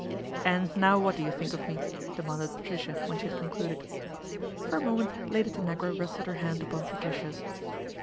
" And now what do you think of me ?" de [manded Patricia when she had concluded. For a moment Lady Tanagra rested her hand upon Patricia's.